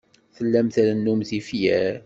Tellam trennum tifyar.